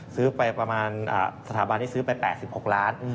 ซื้อไปประมาณสถาบันที่ซื้อไป๘๖ล้าน